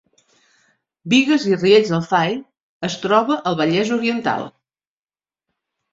Bigues i Riells del Fai es troba al Vallès Oriental